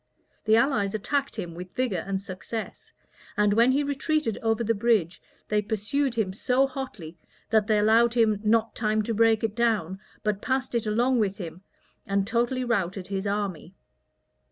The allies attacked him with vigor and success; and when he retreated over the bridge, they pursued him so hotly, that they allowed him not time to break it down, but passed it along with him, and totally routed his army.